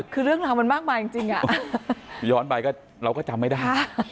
คือเรื่องราวมันมากมายจริงย้อนไปก็เราก็จำไม่ได้